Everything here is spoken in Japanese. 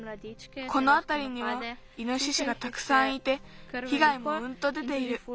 このあたりにはイノシシがたくさんいてひがいもうんと出ている。